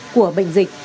của bệnh dịch